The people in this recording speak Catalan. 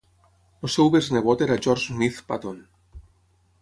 El seu besnebot era George Smith Patton.